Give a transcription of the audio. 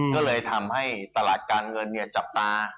ก็เลยทำให้ตลาดการเงินจับตา